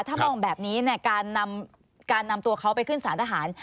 ถ้ามองแบบนี้การนำตัวเขาไปขึ้นสารทหาร